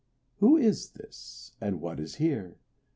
Who is this? and what is here?